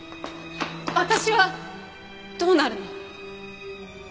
私はどうなるの？